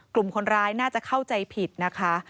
กลุ่มคนร้ายน่าจะเข้าใจผิดนะคะ